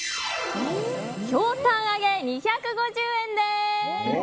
ひょうたん揚げ、２５０円です。